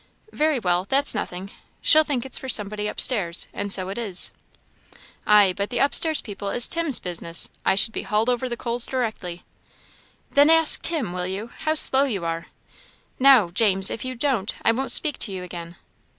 "Very well that's nothing she'll think it's for somebody upstairs and so it is." "Ay, but the upstairs people is Tim's business I should be hauled over the coals directly." "Then ask Tim, will you? How slow you are! Now, James, if you don't, I won't speak to you again."